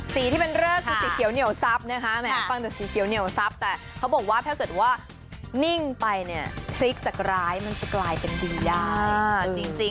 สีที่เป็นเลิศคือสีเขียวเหนียวซับแต่เขาบอกว่าถ้าเกิดว่านิ่งไปคลิกจะกลายเป็นดีได้